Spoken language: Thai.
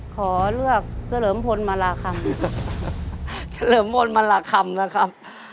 ขอเลือกเฉลิมพลมาราคำเฉลิมพลมาราคำนะครับ